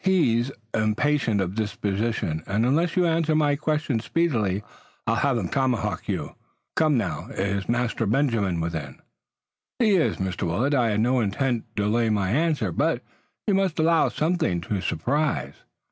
He's impatient of disposition and unless you answer my question speedily I'll have him tomahawk you. Come now, is Master Benjamin within?" "He is, Mr. Willet. I had no intent to delay my answer, but you must allow something to surprise."